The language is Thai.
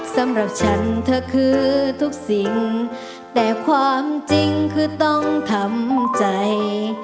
สำหรับฉันเธอคือทุกสิ่งแต่ความจริงคือต้องทำใจ